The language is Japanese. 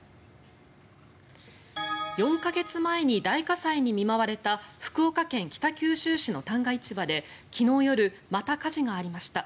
４か月前に大火災に見舞われた福岡県北九州市の旦過市場で昨日夜、また火事がありました。